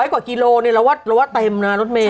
๑๐๐กว่ากิโลนิเซียนะเราว่าเต็มน่ะรถเมเม